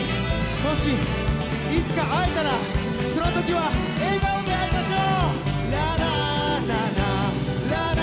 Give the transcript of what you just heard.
もし、いつか会えたらそのときは笑顔で会いましょう！